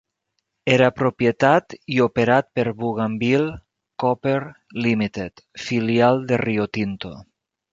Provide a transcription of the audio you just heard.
Era propietat i operat per Bougainville Copper Limited, filial de Rio Tinto.